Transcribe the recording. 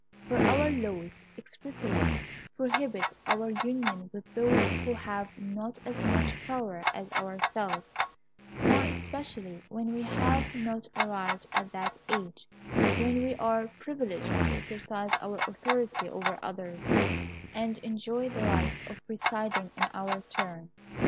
For our laws expressly forbid our union with those who have not as much power as ourselves, more especially when we have not arrived at that age when we are privileged to exercise our authority over others, and enjoy the right of presiding in our turn.